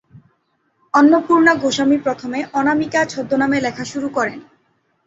অন্নপূর্ণা গোস্বামী প্রথমে "অনামিকা" ছদ্মনামে লেখা শুরু করেন।